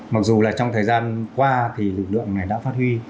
mặc dù là trong thời gian qua thì lực lượng này đã phát huy